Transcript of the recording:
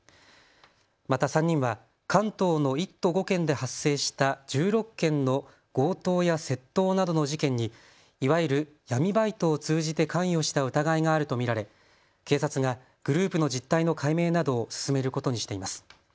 また３人は関東の１都５県で発生した１６件の強盗や窃盗などの事件にいわゆる闇バイトを通じて関与した疑いがあると見られ警察がグループの実態の解明などを進めることにしています。